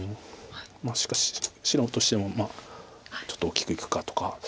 しかし白としてもちょっと大きくいくかとか。